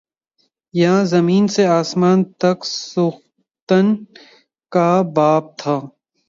یاں زمیں سے آسماں تک سوختن کا باب تھا